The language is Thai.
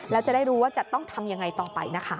แล้วจะได้รู้ว่าจะต้องทำยังไงต่อไปนะคะ